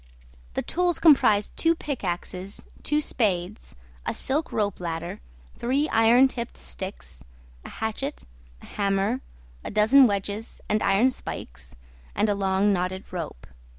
The tools comprised two pickaxes, two spades, a silk ropeladder, three iron tipped sticks, a hatchet, a hammer, a dozen wedges and iron spikes, and a long knotted rope.